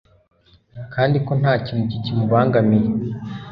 kandi ko nta kintu kikimubangamiye